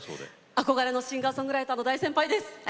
憧れのシンガーソングライターの大先輩です。